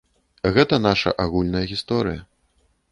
Гэта наша агульная гісторыя.